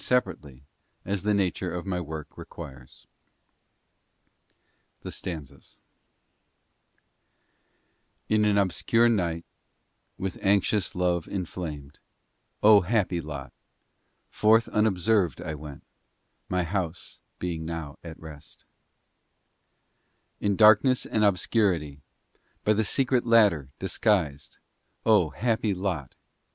STANZAS. Song of the I soul in the Divine Union In an Obscure Night, "en With anxious love inflamed, O, happy lot! Forth unobserved I went, My house being now at rest. II In darkness and obscurity, By the secret ladder, disguised, O, happy lot!